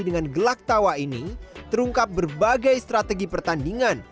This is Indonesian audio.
dengan gelak tawa ini terungkap berbagai strategi pertandingan